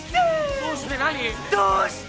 どうして何？